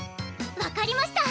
分かりました！